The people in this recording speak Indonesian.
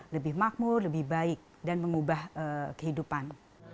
lebih makmur lebih baik dan mengubah kehidupan